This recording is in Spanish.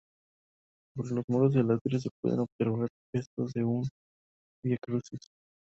Sobre los muros del atrio, se pueden observar restos de un "Vía Crucis".